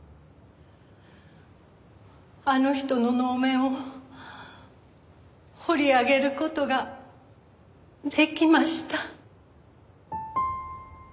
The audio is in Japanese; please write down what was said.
あの人の能面を彫り上げる事ができました。